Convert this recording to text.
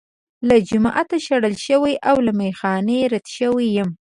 له جوماته شړل شوی او له میخا نه رد شوی یم.